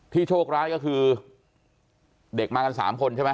โชคร้ายก็คือเด็กมากัน๓คนใช่ไหม